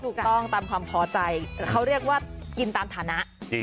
ถูกต้องตามความพอใจเขาเรียกว่ากินตามฐานะ